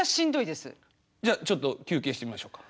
じゃあちょっと休憩してみましょうか。